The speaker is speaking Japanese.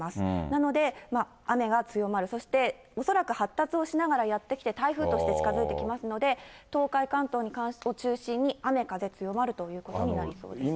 なので、雨が強まる、そして恐らく発達をしながらやってきて、台風として近づいてきますので、東海、関東を中心に雨、風強まるということになりそうです。